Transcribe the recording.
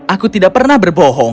aku tidak pernah berbohong